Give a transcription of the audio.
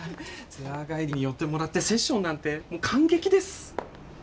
ツアー帰りに寄ってもらってセッションなんて感激です。